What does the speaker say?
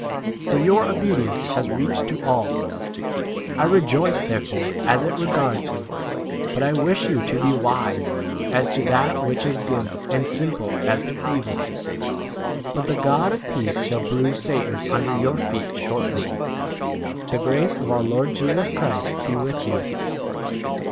For your obedience has reached to all. I rejoice therefore as it regards you ; but I wish you to be wise [as] to that which is good, 20 and simple [as] to evil. But the God of peace shall bruise Satan under your feet shortly. The grace of our Lord Jesus Christ [be] with you.